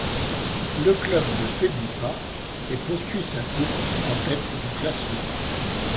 Le club ne faiblit pas et poursuit sa course en tête du classement.